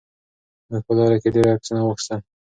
موږ په لاره کې ډېر عکسونه واخیستل.